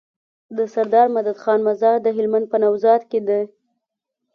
دسردار مدد خان مزار د هلمند په نوزاد کی دی